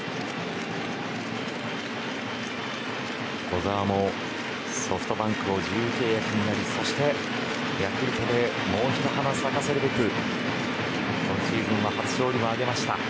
小澤もソフトバンクを自由契約になりそしてヤクルトでもう一花咲かせるべく今シーズンは初勝利も挙げました。